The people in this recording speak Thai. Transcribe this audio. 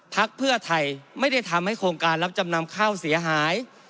พักเพื่อไทยไม่ได้ทำให้โครงการรับจำนำข้าวเสียหาย